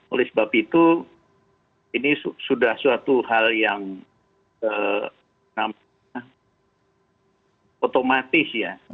oleh sebab itu ini sudah suatu hal yang otomatis ya